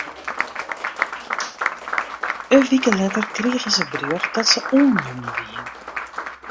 In wike letter krige se berjocht dat se oannommen wie.